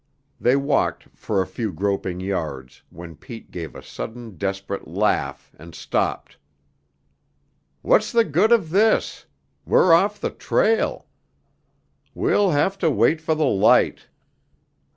They walked for a few groping yards when Pete gave a sudden desperate laugh and stopped. "What's the good of this! We're off the trail. We'll have to wait for the light.